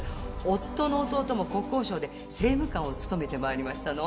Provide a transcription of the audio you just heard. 夫の弟も国交省で政務官を務めてまいりましたの。